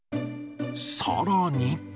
さらに。